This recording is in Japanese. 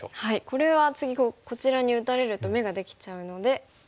これは次こちらに打たれると眼ができちゃうので潰します。